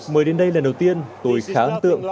mới đến đây lần đầu tiên tôi khá ấn tượng